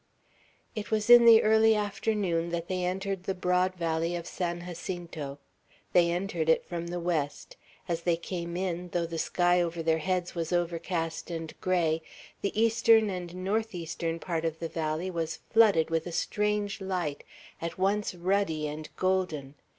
It was in the early afternoon that they entered the broad valley of San Jacinto. They entered it from the west. As they came in, though the sky over their heads was overcast and gray, the eastern and northeastern part of the valley was flooded with a strange light, at once ruddy and golden.